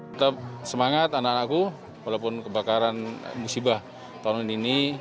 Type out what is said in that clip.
tetap semangat anak anakku walaupun kebakaran musibah tahun ini